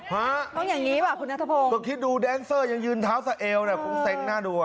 ฮะต้องอย่างงี้ป่ะคุณนัทธะโพงก็คิดดูแดงเซอร์ยังยืนเท้าสะเอวน่ะ